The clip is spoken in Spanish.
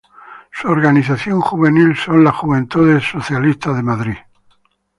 Su organización juvenil son las Juventudes Socialistas de Madrid.